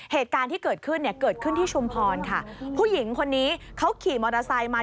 เหตุการณ์ที่เกิดขึ้นเนี่ยเกิดขึ้นที่ชุมพรค่ะผู้หญิงคนนี้เขาขี่มอเตอร์ไซค์มา